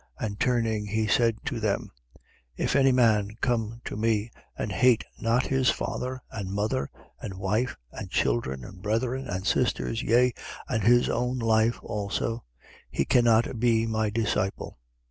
And turning, he said to them: 14:26. If any man come to me, and hate not his father and mother and wife and children and brethren and sisters, yea and his own life also, he cannot be my disciple.